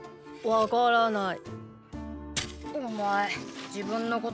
わからない。